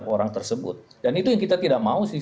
orang tersebut dan itu yang kita tidak mau sih